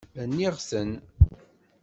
Rniɣ-ten.